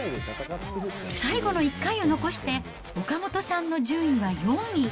最後の１回を残して、岡本さんの順位は４位。